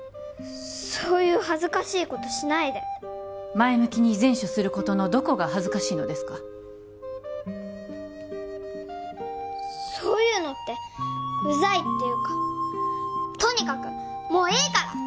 そういう恥ずかしいことしないで前向きに善処することのどこが恥ずかしいのですかそういうのってうざいっていうかとにかくもういいから！